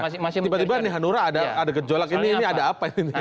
tiba tiba di hanura ada gejolak ini ini ada apa ini